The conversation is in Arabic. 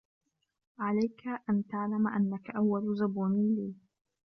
عليك أن تعلم أنك أول زبون لي.